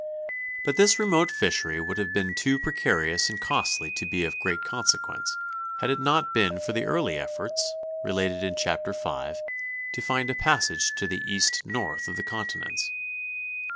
But this remote fishery would have been too precarious and costly to be of great consequence had it not been for the early efforts, related in Chapter V, to find a passage to the East north of the continents.